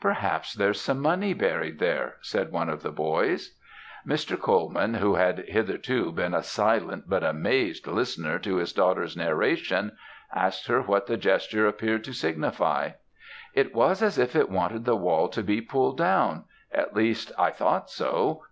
"'Perhaps there's some money buried there,' said one of the boys. "Mr. Colman, who had hitherto been a silent but amazed listener to his daughter's narration, asked her what the gesture appeared to signify. "'It was as if it wanted the wall to be pulled down at least, I thought so.